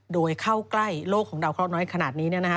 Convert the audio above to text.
โดยเข้าใกล้โลกของดาวเคราะห์น้อยขนาดนี้